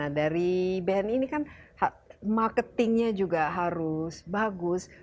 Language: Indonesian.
nah dari bni ini kan marketingnya juga harus bagus